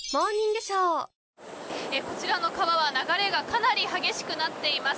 こちらの川は、流れがかなり激しくなっています。